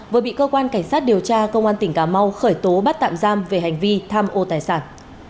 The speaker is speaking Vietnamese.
vừa bị cơ quan cảnh sát điều tra công an tỉnh cà mau khởi tố bắt tạm giam về hành vi tham ô tài sản